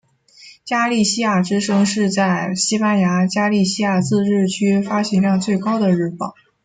加利西亚之声是在西班牙加利西亚自治区发行量最高的日报。